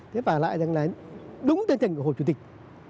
thế phải lại rằng là đúng tên thành của hội chủ tịch